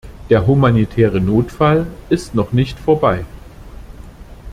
Der humanitäre Notfall ist noch nicht vorbei.